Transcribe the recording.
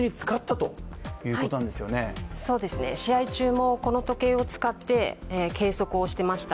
そうですね、試合中もこの時計を使って計測をしてました。